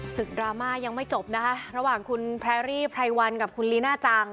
ดราม่ายังไม่จบนะคะระหว่างคุณแพรรี่ไพรวันกับคุณลีน่าจัง